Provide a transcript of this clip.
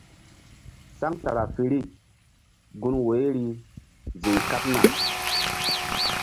Centrafirikgun woyri ziŋ kaɓna.